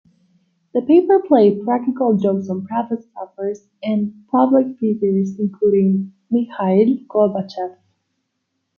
The paper played practical jokes on "Pravda" staffers and public figures including Mikhail Gorbachev.